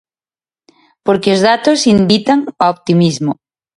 Porque os datos invitan ao optimismo.